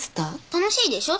楽しいでしょ？